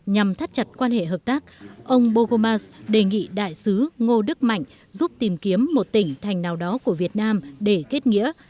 nhằm thắt chặt quan hệ hợp tác ông bogomars đề nghị đại sứ ngô đức mạnh giúp tìm kiếm một tỉnh thành nào đó của việt nam để kết nghĩa